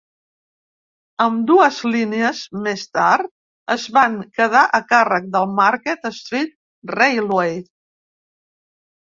Ambdues línies més tard es van quedar a càrrec del Market Street Railway.